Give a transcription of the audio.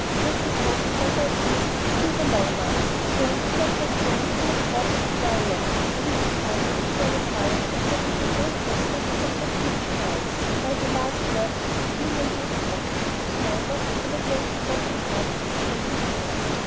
Mrs. Hope's rubber of whist seemed a long one, for Phil did not get home till a quarter before eleven, by which time the two by the fire had settled the whole progress of their future lives, while the last logs of the piñon wood crackled, smouldered, and at length broke apart into flaming brands.